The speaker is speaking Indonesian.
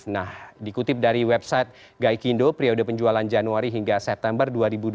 nah dikutip dari website gaikindo periode penjualan januari hingga september dua ribu dua puluh